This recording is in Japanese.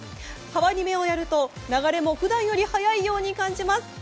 川に目をやると、流れもふだんより速いように感じます。